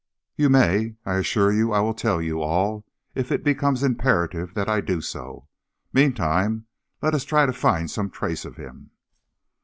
"You may. I assure you I will tell you all, if it becomes imperative that I do so. Meantime, let us try to find some trace of him."